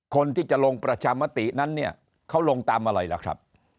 คนที่จะลงประชามตินั้นเนี่ยเขาลงตามอะไรล่ะครับ